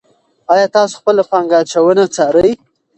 آیا تاسو خپله پانګه اچونه څارئ.